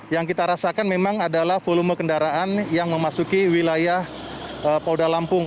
yang kita rasakan memang adalah volume kendaraan yang memasuki wilayah polda lampung